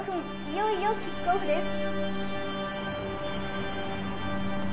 いよいよキックオフです。